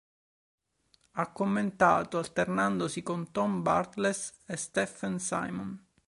Ha commentato alternandosi con Tom Bartels e Steffen Simon.